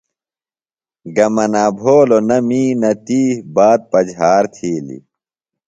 گہ منا بھولوۡ نہ می نہ تی بات پجہار تِھیلیۡ۔